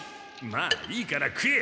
まあいいから食え。